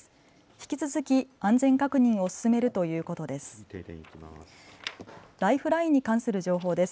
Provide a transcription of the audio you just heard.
引き続き安全確認を進めるということです。